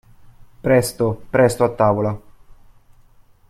Presto, presto a tavola!